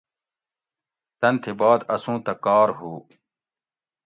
تن تھی بعد اسوں تہ کار ہُو